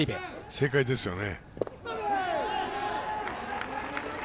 正解ですよね。